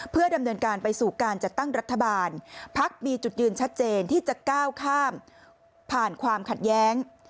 เพื่อดำเนินการไปสู่การจัดตั้งรัฐบาลพักมีจุดยืนชัดเจนที่จะก้าวข้ามผ่านความขัดแย้ง